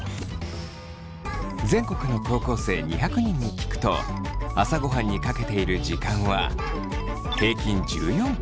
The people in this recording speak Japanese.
全国の高校生２００人に聞くと朝ごはんにかけている時間は平均１４分。